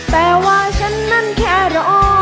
แต่ว่าฉันนั้นแค่รอ